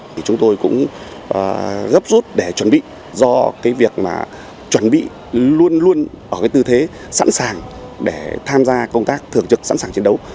thì chúng tôi cũng gấp rút để chuẩn bị do cái việc mà chuẩn bị luôn luôn ở cái tư thế sẵn sàng để tham gia công tác thường trực sẵn sàng chiến đấu